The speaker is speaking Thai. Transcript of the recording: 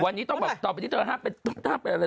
วันนี้ต้องแบบต่อไปที่เธอห้ามเป็นอะไร